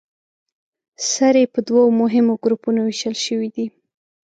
سرې په دوو مهمو ګروپونو ویشل شوې دي.